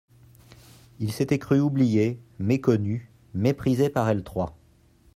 Il s'était cru oublié, méconnu, méprisé par elles trois.